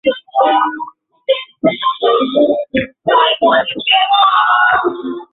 বিঘ্নসঙ্কুল পথে হাঁটবার চেষ্টা আর নয়, এখন পাখীর পালকের বিছানা।